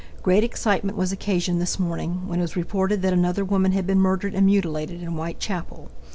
Great excitement was occasioned this morning when it was reported that another woman had been murdered and mutilated in Whitechapel.